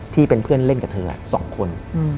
ที่เป็นเพื่อนเล่นกับเธอ๒คน